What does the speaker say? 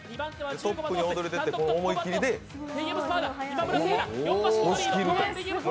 トップに躍り出て思い切りで押し切るという。